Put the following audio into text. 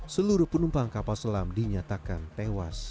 seluruh penumpang kapal selam dinyatakan tewas